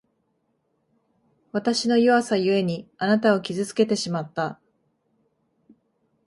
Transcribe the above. わたしの弱さゆえに、あなたを傷つけてしまった。